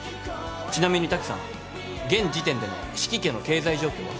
ちなみにタキさん現時点での四鬼家の経済状況は？